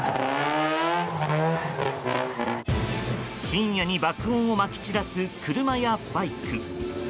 深夜に爆音をまき散らす車やバイク。